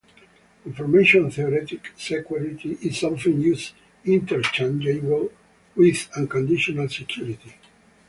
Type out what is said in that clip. Information-theoretic security is often used interchangeably with unconditional security.